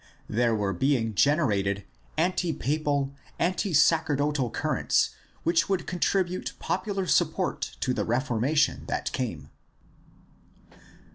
There were being generated anti papal, anti sacerdotal currents which would contribute popular support to the Reformation that came.